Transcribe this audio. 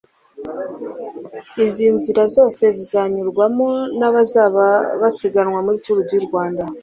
Izi nzira zose zizananyurwamo n’abazaba basiganwa muri Tour du Rwanda